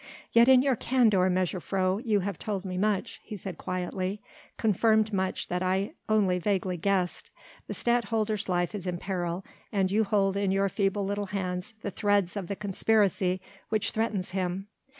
"Yet in your candour, mejuffrouw, you have told me much," he said quietly, "confirmed much that I only vaguely guessed. The Stadtholder's life is in peril and you hold in your feeble little hands the threads of the conspiracy which threatens him